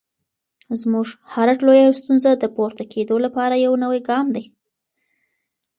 زموږ هره لویه ستونزه د پورته کېدو لپاره یو نوی ګام دی.